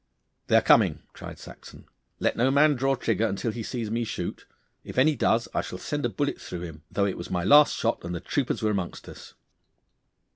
'They are coming,' cried Saxon. 'Let no man draw trigger until he sees me shoot. If any does, I shall send a bullet through him, though it was my last shot and the troopers were amongst us.